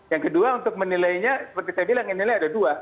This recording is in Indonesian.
yang kedua untuk menilainya seperti saya bilang ini nilai ada dua